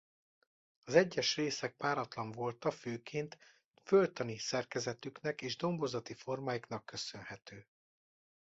Az egyes részek páratlan volta főként földtani szerkezetüknek és domborzati formáiknak köszönhető.